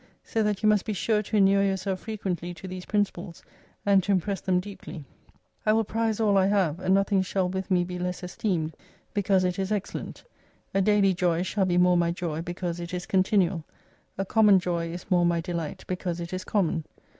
So that you must be sure to inure yourself frequently to these principles and to impress them deeply ;/ will prize all I have, and nothing shall with me be less esteemed, because it is excellent. A daily joy shall be more my wy, because it is continual. A common joy is more mv delight because it is common.